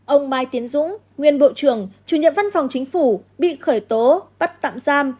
ông mai tiến dũng nguyên bộ trưởng chủ nhiệm văn phòng chính phủ bị khởi tố bắt tạm giam